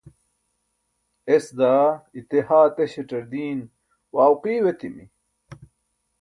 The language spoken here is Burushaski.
es daa ite haa teśaṭar diin wau qiyo etimi